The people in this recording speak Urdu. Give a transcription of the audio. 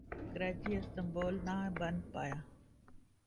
کراچی استنبول نہ بن پایا